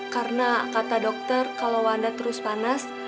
karena kata dokter kalau wanda terus panas